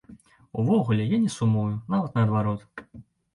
Увогуле, я не сумую, нават наадварот.